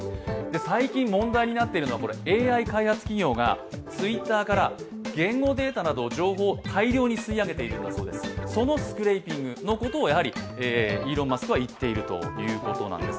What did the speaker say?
最近、問題になっているのがＡＩ開発企業などが言語データなどの情報を大量に吸い上げているそのスクレイピングのことをイーロン・マスクは言っているということなんです。